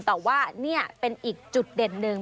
แต่ว่าเนี่ยเป็นอีกจุดเด็ดนึง